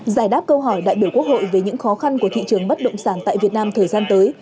giải đáp câu hỏi đại biểu quốc hội về những khó khăn của thị trường bất động sản tại việt nam thời gian tới